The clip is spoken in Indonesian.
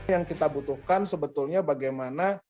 yang kita butuhkan sebetulnya bagaimana